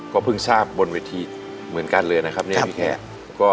ก็เพิ่งทราบบนเวทีเหมือนกันเลยนะครับเนี่ยพี่แขก